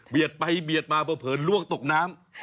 เบียดไปเบียดมาเผลอเผลอลวกตกน้ำ